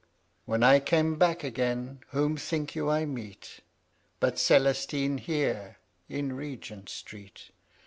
When I came back again, whom, think you, I meet But Celestine, here, in Regent Street?